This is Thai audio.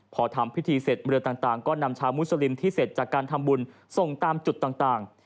พอทำพิธีเสร็จเรือต่างก็นำชาวมุสลิมที่เสร็จจากการทำบุญส่งตามจุดต่าง